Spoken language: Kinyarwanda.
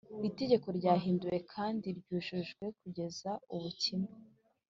Itegeko ryahinduwe kandi ryujujwe kugeza ubu kimwe